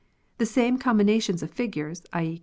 The same com binations of figures, i.